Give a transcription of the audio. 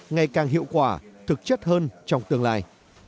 ngày càng hiệu quả thực chất hơn trong tương lai